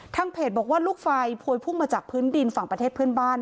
เพจบอกว่าลูกไฟพวยพุ่งมาจากพื้นดินฝั่งประเทศเพื่อนบ้าน